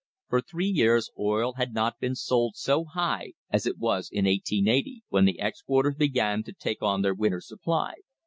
For three years oil had not been sold so high as it was in 1880, when the exporters began to take on their winter's supply.